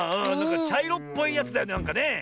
ちゃいろっぽいやつだよねなんかね。